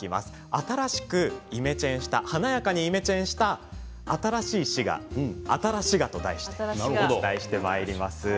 新しくイメチェンした華やかにイメチェンした新しい滋賀、あたら滋賀と題してお伝えしてまいります。